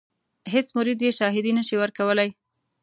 هیڅ مرید یې شاهدي نه شي ورکولای.